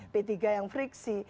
p tiga yang friksi